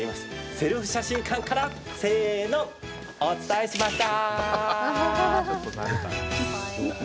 セルフ写真館からせーの、お伝えしました！